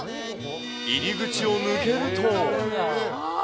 入り口を抜けると。